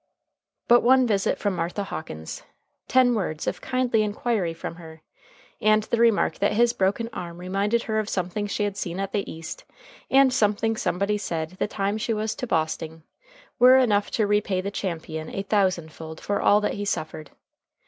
But one visit from Martha Hawkins, ten words of kindly inquiry from her, and the remark that his broken arm reminded her of something she had seen at the East and something somebody said the time she was to Bosting, were enough to repay the champion a thousand fold for all that he suffered.